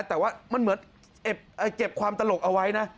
แต่ว่ามันเหมือนเก็บความตลกเอาไว้นะ